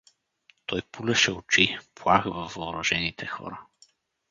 Той пулеше очи, плах, във въоръжените хора.